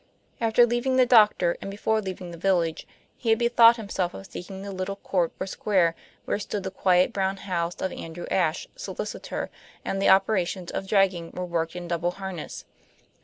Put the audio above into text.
After leaving the doctor and before leaving the village he had bethought himself of seeking the little court or square where stood the quiet brown house of Andrew Ashe, solicitor, and the operations of dragging were worked in double harness.